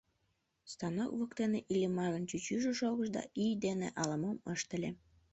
Станок воктене Иллимарын чӱчӱжӧ шогыш да ий дене ала-мом ыштыле.